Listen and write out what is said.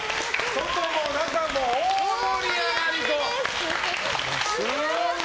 外も中も大盛り上がり。